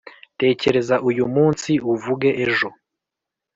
tekereza uyu munsi uvuge ejo.